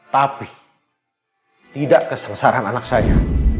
tapi tidak kesengsaraan anak saya